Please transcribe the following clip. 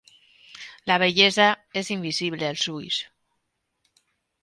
La bellesa és invisible als ulls.